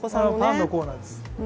パンのコーナーです。